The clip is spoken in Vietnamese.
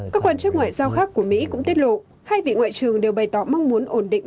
các quan chức ngoại giao khác của mỹ cũng tiết lộ hai vị ngoại trưởng đều bày tỏ mong muốn ổn định